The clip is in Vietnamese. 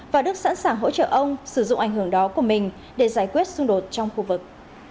và đức sẵn sàng hỗ trợ ông sử dụng ảnh hưởng đó của mình để giải quyết xung đột trong khu vực